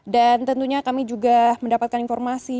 dan tentunya kami juga mendapatkan informasi